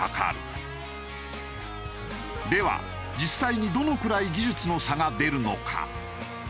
では実際にどのくらい技術の差が出るのか。